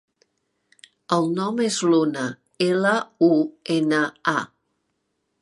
El nom és Luna: ela, u, ena, a.